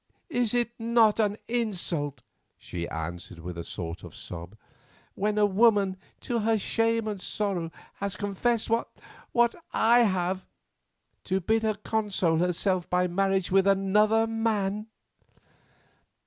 "Is it not an insult," she answered with a sort of sob, "when a woman to her shame and sorrow has confessed—what I have—to bid her console herself by marriage with another man?"